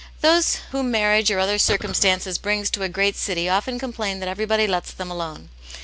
THOSE whom marriage or other circumstances bring to a great city often complain that every body lets them alone.